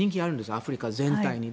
アフリカ全体で。